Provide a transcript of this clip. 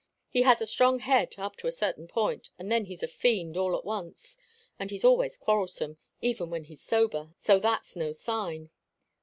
He has a strong head up to a certain point, and then he's a fiend, all at once. And he's always quarrelsome, even when he's sober, so that's no sign."